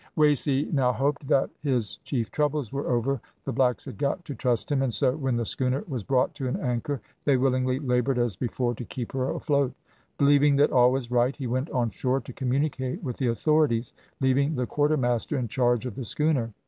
"Wasey now hoped that his chief troubles were over. The blacks had got to trust him, and so, when the schooner was brought to an anchor, they willingly laboured as before to keep her afloat. Believing that all was right he went on shore to communicate with the authorities, leaving the quarter master in charge of the schooner.